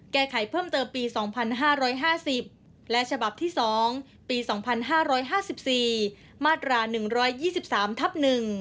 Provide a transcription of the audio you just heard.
แก้ไขเพิ่มเติมปี๒๕๕๐และฉบับที่๒ปี๒๕๕๔มาตรา๑๒๓ทับ๑